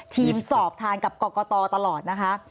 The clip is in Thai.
สอบทานกับกรกตตลอดนะคะ